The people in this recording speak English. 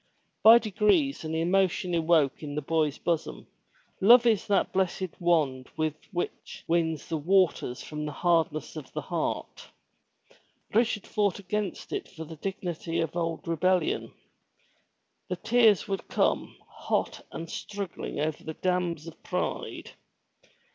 By degrees an emotion awoke in the boy's bosom. Love is that blessed wand which wins the waters from the hardness of the heart. Richard fought against it for the dignity of old rebel lion. The tears would come, hpt and struggling over the dams of pride.